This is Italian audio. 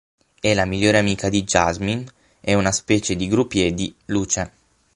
È la migliore amica di Jasmine e una specie di groupie di Luce.